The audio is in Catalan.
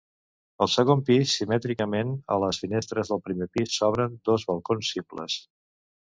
Al segon pis, simètricament a les finestres del primer pis, s'obren dos balcons simples.